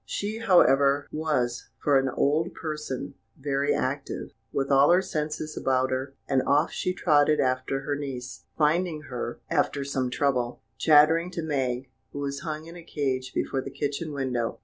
She, however, was, for an old person, very active, with all her senses about her, and off she trotted after her niece, finding her, after some trouble, chattering to Mag, who was hung in a cage before the kitchen window.